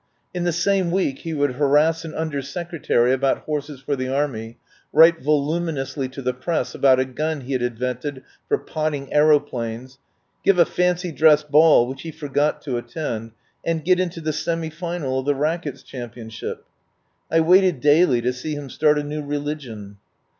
In the same week he would harass an Under Secre tary about horses for the Army, write volumi nously to the press about a gun he had in vented for potting aeroplanes, give a fancy dress ball which he forgot to attend, and get into the semi final of the racquets champion ship. I waited daily to see him start a new religion.